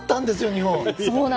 日本！